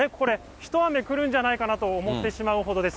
一雨来るんじゃないかなと思ってしまうほどです。